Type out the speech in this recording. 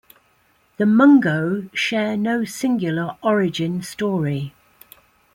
The Mungo share no singular origin story.